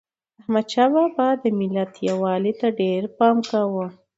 احمدشاه بابا د ملت یووالي ته ډېر پام کاوه.